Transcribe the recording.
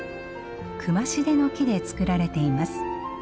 クマシデの木で作られています。